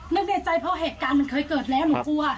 ในใจเพราะเหตุการณ์มันเคยเกิดแล้วหนูกลัว